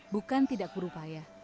bukan tidak berupaya